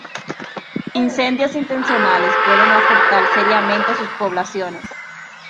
Incendios intencionales pueden afectar seriamente sus poblaciones.